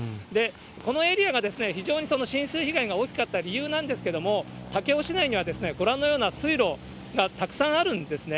このエリアが非常に浸水被害が大きかった理由なんですけども、武雄市内には、ご覧のような水路がたくさんあるんですね。